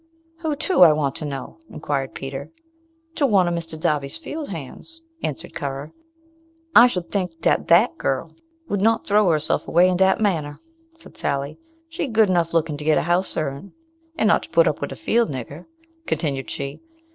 "Who to, I want to know?" inquired Peter. "To one of Mr. Darby's field hands," answered Currer. "I should tink dat dat gal would not trow hersef away in dat manner," said Sally. "She good enough looking to get a house servant, and not to put up wid a fiel' nigger," continued she.